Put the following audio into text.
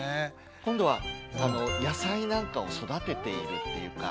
今度は野菜なんかを育てているっていうか。